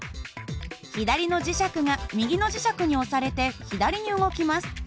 左の磁石が右の磁石に押されて左に動きます。